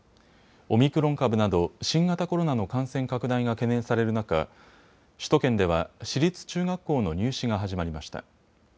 オミクロン株など新型コロナの感染拡大が懸念される中、首都圏では私立中学校の入試が始まりました。